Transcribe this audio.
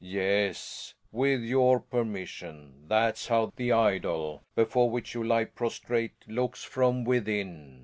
Yes, with your permission; that's how the idol before which you lie prostrate, looks from within.